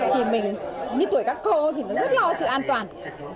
thì mình như tuổi các cô thì nó rất lo sự an toàn